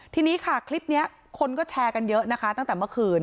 ทีนี้ค่ะคลิปนี้คนก็แชร์กันเยอะนะคะตั้งแต่เมื่อคืน